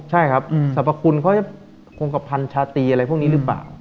ใช่ครับสรรพคุณเขาจะคงกระพันชาตรีอะไรพวกนี้หรือเปล่า